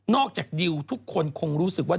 จากดิวทุกคนคงรู้สึกว่า